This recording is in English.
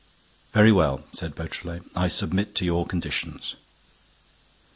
"Very well," said Beautrelet. "I submit to your conditions."